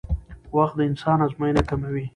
وخت د انسان ازموینه کوي